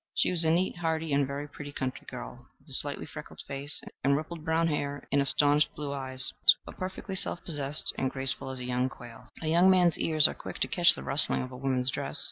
She was a neat, hearty and very pretty country girl, with a slightly freckled face, and rippled brown hair, and astonished blue eyes, but perfectly self possessed, and graceful as a young quail. A young man's ears are quick to catch the rustling of a woman's dress.